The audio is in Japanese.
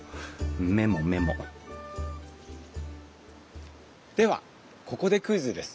メモメモではここでクイズです。